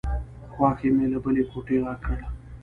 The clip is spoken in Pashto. خواښې مې له بلې کوټې غږ کړ.